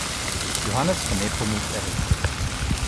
Johannes von Nepomuk errichtet.